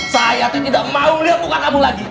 saya tidak mau lihat bukan kamu lagi